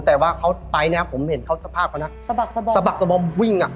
แต่ว่าเขาไปเนี่ยผมเห็นข้าสภาพเหมือนสบักสบอกสบมหวิงอ่ะ